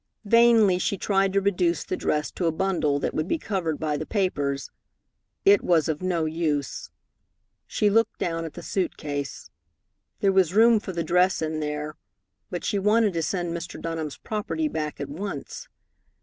Vainly she tried to reduce the dress to a bundle that would be covered by the papers. It was of no use. She looked down at the suit case. There was room for the dress in there, but she wanted to send Mr. Dunham's property back at once.